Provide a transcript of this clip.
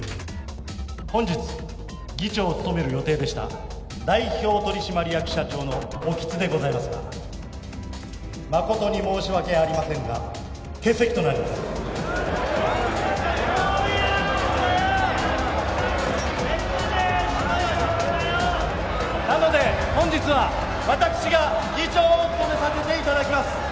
本日議長を務める予定でした代表取締役社長の興津でございますがまことに申し訳ありませんが欠席となりますなので本日は私が議長を務めさせていただきます